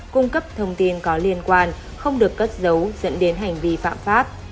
cung cấp thông tin có liên quan không được cất giấu dẫn đến hành vi phạm pháp